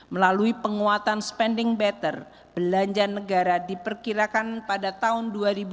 melalui penguatan spending better belanja negara diperkirakan pada tahun dua ribu dua puluh